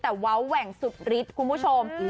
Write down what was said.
แต่เว้าแหว่งสุดฤทธิ์คุณผู้ชม